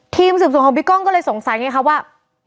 ทีมสูบสูงของบิ๊กล้องก็เลยสงสัยไงค่ะว่า